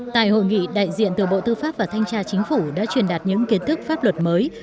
tại hội nghị đại diện từ bộ tư pháp và thanh tra chính phủ đã truyền đạt những kiến thức pháp luật mới